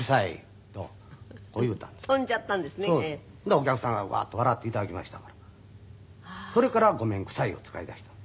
お客さんがワーッと笑って頂きましたからそれから「ごめんくさい」を使いだしたの。